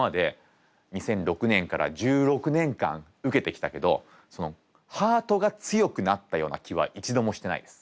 ２００６年から１６年間受けてきたけどそのハートが強くなったような気は一度もしてないです。